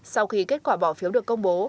sau khi kết quả bỏ phiếu được công bố